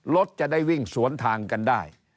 รถจะได้วิ่งสวนทางกันได้